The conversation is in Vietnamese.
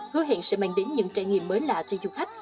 hứa hẹn sẽ mang đến những trải nghiệm mới lạ cho du khách